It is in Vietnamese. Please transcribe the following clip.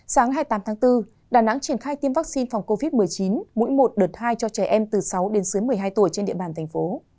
sáng hai mươi tám tháng bốn đà nẵng triển khai tiêm vaccine phòng covid một mươi chín mỗi một đợt hai cho trẻ em từ sáu đến dưới một mươi hai tuổi trên địa bàn thành phố